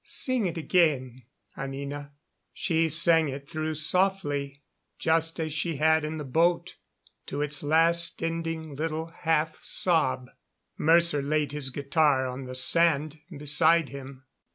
Sing it again, Anina." She sang it through softly, just as she had in the boat, to its last ending little half sob. Mercer laid his guitar on the sand beside him.